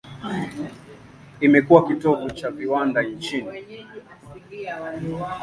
Imekuwa kitovu cha viwanda nchini.